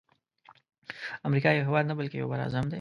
امریکا یو هیواد نه بلکی یو بر اعظم دی.